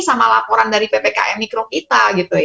sama laporan dari ppkm mikro kita